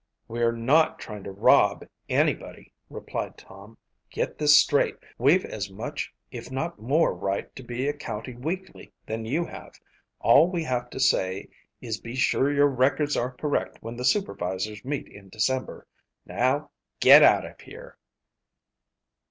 "We're not trying to rob anybody," replied Tom. "Get this straight. We've as much if not more right to be a county weekly than you have. All we have to say is be sure your records are correct when the supervisors meet in December. Now get out of here!"